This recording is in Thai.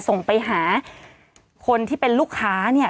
ส่งไปหาคนที่เป็นลูกค้าเนี่ย